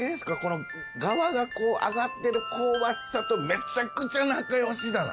がわが揚がってる香ばしさとめちゃくちゃ仲良しだな。